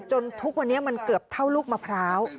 ทุกวันนี้มันเกือบเท่าลูกมะพร้าว